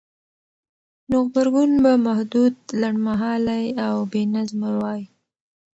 نو غبرګون به محدود، لنډمهالی او بېنظمه وای؛